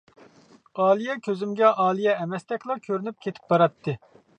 ئالىيە كۆزۈمگە ئالىيە ئەمەستەكلا كۆرۈنۈپ كېتىپ باراتتى.